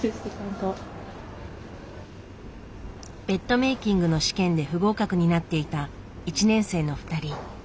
ベッドメイキングの試験で不合格になっていた１年生の２人。